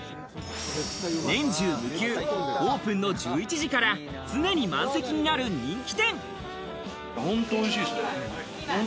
年中無休、オープンの１１時から常に満席になる人気。